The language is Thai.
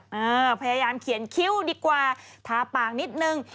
พยายามเขียนคิ้วดีกว่าทาปากนิดนึง